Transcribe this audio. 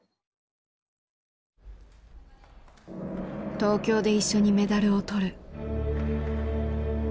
「東京で一緒にメダルを取る」。